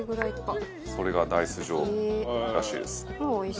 それがダイス状らしいです。